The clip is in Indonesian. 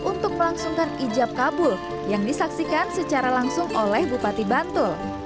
untuk melangsungkan ijab kabul yang disaksikan secara langsung oleh bupati bantul